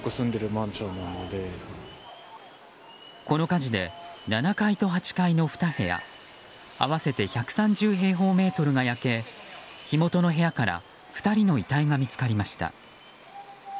この火事で７階と８階の２部屋合わせて１３０平方メートルが焼け火元の部屋から２人の遺体が見つかりました。